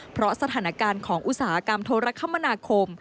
เพราะสถานการณ์ของอุตสาหกรรมโทรคมนาคม